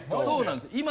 そうなんです。